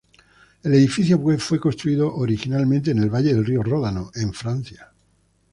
El edificio fue construido originalmente en el valle del río Ródano, en Francia.